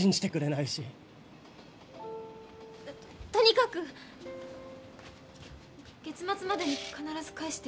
とにかく月末までに必ず返して。